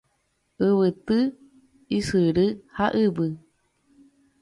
Yvyty, ysyry ha yvy.